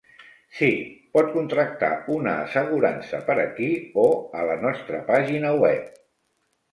Sí, pot contractar una assegurança per aquí, o a la nostra pàgina web.